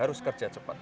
harus kerja cepat